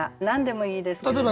何でもいいですけど。